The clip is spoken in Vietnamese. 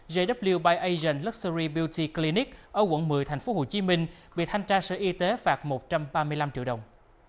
wwend luxury beauty clinic ở quận một mươi tp hcm bị thanh tra sở y tế phạt một trăm ba mươi năm triệu đồng